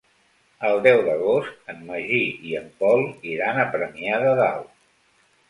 El deu d'agost en Magí i en Pol iran a Premià de Dalt.